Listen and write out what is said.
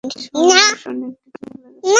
এই সময়ে মানুষ অনেক কিছু ভুলে যায়।